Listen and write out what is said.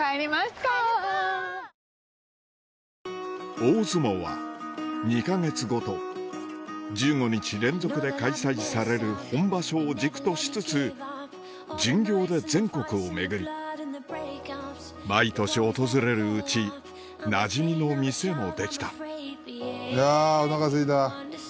大相撲は２か月ごと１５日連続で開催される本場所を軸としつつ巡業で全国を巡る毎年訪れるうちなじみの店もできたいやおなかすいた。